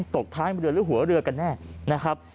ตกท้ายเรือหรือหัวเรือกันแน่นะครับ